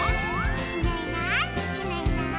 「いないいないいないいない」